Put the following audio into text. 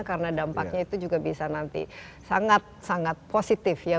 karena dampaknya itu juga bisa nanti sangat sangat positif ya